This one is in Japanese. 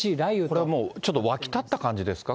これもう、ちょっと湧き立った感じですか？